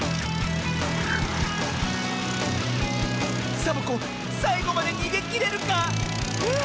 サボ子さいごまでにげきれるか⁉あ！